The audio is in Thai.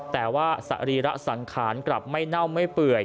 แต่ว่าสรีระสังขารกลับไม่เน่าไม่เปื่อย